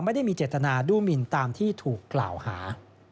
ไม่ได้มีเจตนาดูหมินตามที่ถูกกล่าวหา